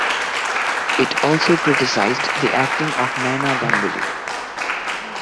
It also criticised the acting of Naina Ganguly.